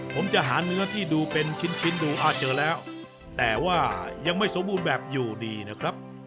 ผมจะหาเนื้อที่ดูเป็นชิ้นดูเจอแล้วแต่ว่ายังไม่สมบูรณ์แบบอยู่ดีนะครับ